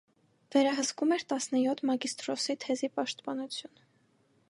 Վերահսկում էր տասնյոթ մագիստրոսի թեզի պաշտպանություն։